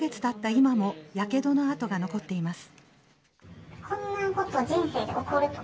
今もやけどの跡が残っています。